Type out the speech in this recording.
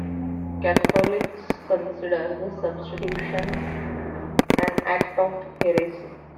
Catholics consider the substitution an act of heresy.